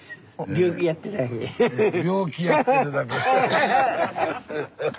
病気やってるだけ。